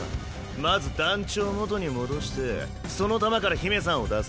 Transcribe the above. まず団ちょを元に戻してその玉から姫さんを出せ。